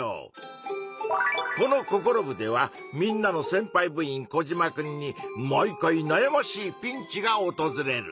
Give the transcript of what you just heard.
この「ココロ部！」ではみんなのせんぱい部員コジマくんに毎回なやましいピンチがおとずれる。